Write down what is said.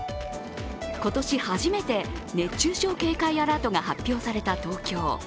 今年初めて熱中症警戒アラートが発表された東京。